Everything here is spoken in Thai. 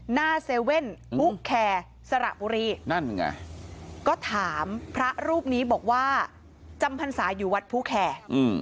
หน้าเซเว่นฟูแคร์สระปุรีก็ถามพระรูปนี้บอกว่าจำพรรษาอยู่วัดภูแคร์